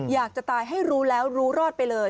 อยากจะตายให้รู้แล้วรู้รอดไปเลย